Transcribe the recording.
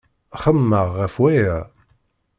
Xemmemeɣ ɣef waya.